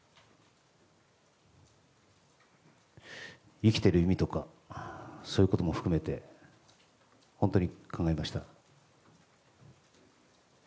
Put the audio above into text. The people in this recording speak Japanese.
生きている意味とかそういうことも含めて本当に考えました。